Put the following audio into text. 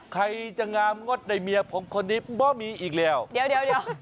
ใครจะงามงดในเมียผมคนนี้บ่มีอีกแล้วเดี๋ยวเดี๋ยว